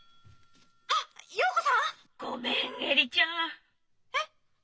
あっ容子さん！☎ごめん恵里ちゃん！え？